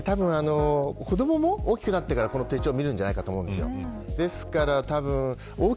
子どもも大きくなってからこの手帳を見るんじゃないかなと思うんですよ。